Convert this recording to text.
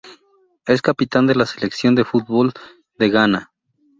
Es capitán de la selección de fútbol de Ghana.